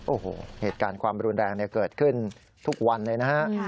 โอ้โหเหตุการณ์ความรุนแรงเกิดขึ้นทุกวันเลยนะฮะ